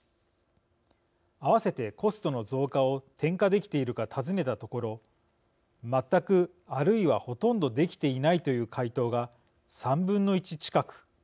あわせてコストの増加を転嫁できているか尋ねたところ「全く」、あるいは「ほとんどできていない」という回答が３分の１近く。